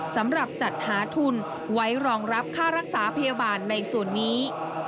สำหรับจัดหาทุนไว้รองรับค่ารักษาพยาบาลในส่วนนี้